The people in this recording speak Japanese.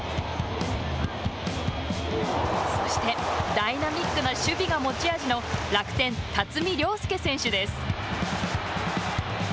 そしてダイナミックな守備が持ち味の楽天・辰己涼介選手です。